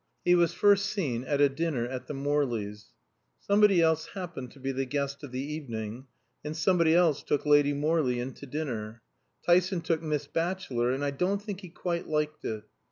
He was first seen at a dinner at the Morleys. Somebody else happened to be the guest of the evening, and somebody else took Lady Morley in to dinner. Tyson took Miss Batchelor, and I don't think he quite liked it.